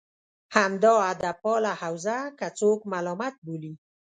همدا ادبپاله حوزه که څوک ملامت بولي.